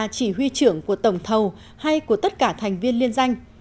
chỉ huy trưởng của tổng thầu hay của tất cả thành viên liên danh